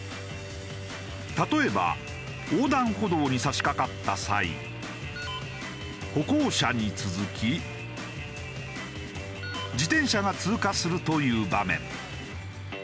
例えば横断歩道に差しかかった際歩行者に続き自転車が通過するという場面。